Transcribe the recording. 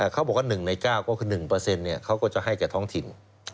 เขาบอกว่า๑ใน๙ก็คือ๑เขาก็จะให้แก่ท้องถิ่น